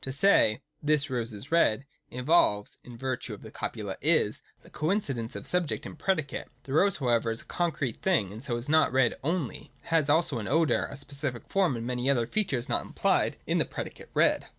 To say ' This rose is red,' involves (in virtue of the copula ' is') the coincidence of subject and predicate. The rose however is a concrete thing, and so is not red only : it has also an odour, a specific form, and many other features not implied in the predicate red.